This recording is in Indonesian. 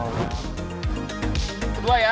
udah mulai meluncur naunya